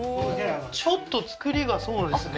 ちょっと造りがそうですね